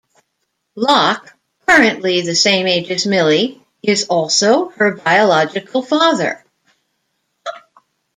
Locke, currently the same age as Millie, is also her biological father.